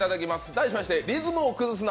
題しまして「リズムを崩すな！